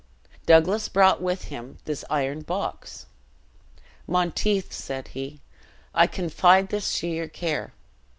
Doublas brought with him this iron box. 'Monteith,' said he, 'I confide this to your care.'